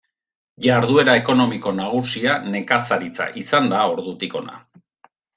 Jarduera ekonomiko nagusia nekazaritza izan da ordutik hona.